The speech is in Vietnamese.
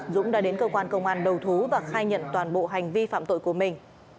dũng đã đến cơ quan công an đầu thú và khai nhận toàn bộ hành vi phạm tội của mình